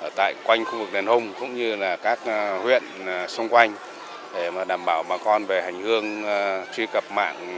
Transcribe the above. ở tại quanh khu vực đền hùng cũng như là các huyện xung quanh để đảm bảo bà con về hành hương truy cập mạng